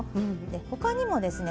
他にもですね